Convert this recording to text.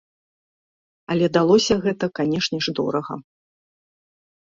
Але далося гэта, канешне ж, дорага.